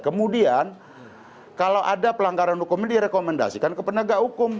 kemudian kalau ada pelanggaran hukum ini direkomendasikan ke penegak hukum